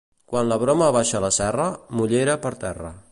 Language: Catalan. Quan la broma baixa la serra, mullena per terra.